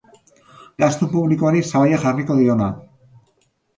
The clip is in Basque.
Gastu publikoari sabaia jarriko diona.